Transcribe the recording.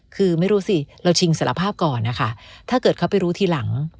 คือไม่รู้สิเราชิงสารภาพก่อนนะคะถ้าเกิดเขาไปรู้ทีหลัง